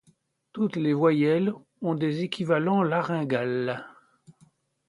Toutes les voyelles ont des équivalents laryngales.